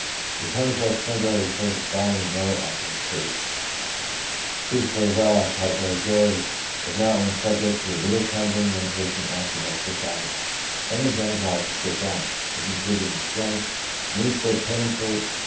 The 24th of Feb ruary I reported the following note of his case :" Sleeps very well, appetite very good j is now only subject to a little trembling when taking active exercise, and is then obliged to sit down ; is improving in strength ; knees still painful.